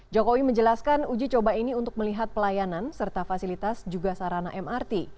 jokowi menjelaskan uji coba ini untuk melihat pelayanan serta fasilitas juga sarana mrt